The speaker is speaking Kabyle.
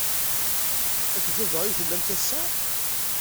Akked baba ay tellam ass-a?